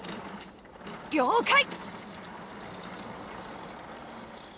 了解！